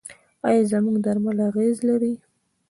آیا زموږ درمل اغیز لري؟